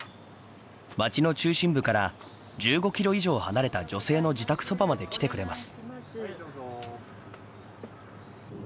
町の中心部から１５ｋｍ以上離れた女性の自宅そばまで来てくれます。